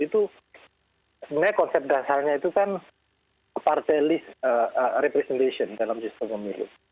itu sebenarnya konsep dasarnya itu kan partai list representation dalam sistem pemilu